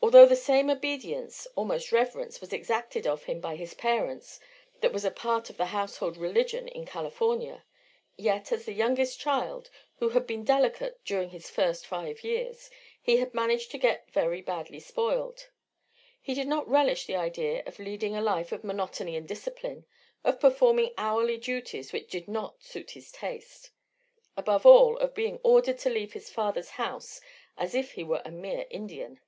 Although the same obedience, almost reverence, was exacted of him by his parents that was a part of the household religion in California, yet as the youngest child, who had been delicate during his first five years, he had managed to get very badly spoiled. He did not relish the idea of leading a life of monotony and discipline, of performing hourly duties which did not suit his taste, above all of being ordered to leave his father's house as if he were a mere Indian.